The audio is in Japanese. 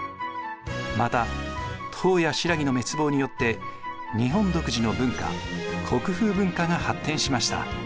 また唐や新羅の滅亡によって日本独自の文化国風文化が発展しました。